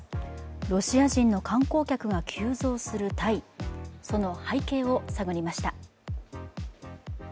ロシア人の観光客が急増するタイ、その背景を探りました。